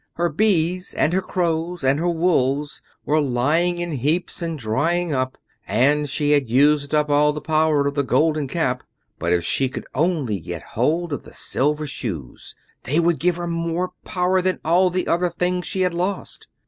Her bees and her crows and her wolves were lying in heaps and drying up, and she had used up all the power of the Golden Cap; but if she could only get hold of the Silver Shoes, they would give her more power than all the other things she had lost.